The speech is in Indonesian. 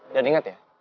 dan ingat ya